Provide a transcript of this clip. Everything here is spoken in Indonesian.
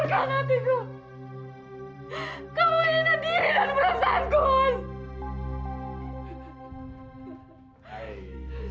kamu ini tidak diri dan perasaanku mas